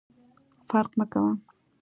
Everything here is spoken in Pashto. فرق مه کوه !